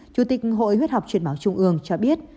chủ tịch hội huyết học truyền máu trung ương cho biết